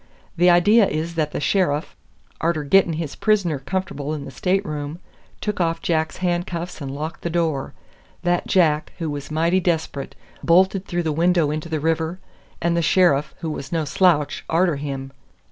The idea is that the sheriff, arter getting his prisoner comf'ble in the stateroom, took off Jack's handcuffs and locked the door; that Jack, who was mighty desp'rate, bolted through the window into the river, and the sheriff, who was no slouch, arter him.